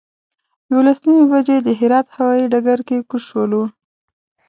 یولس نیمې بجې د هرات هوایي ډګر کې کوز شولو.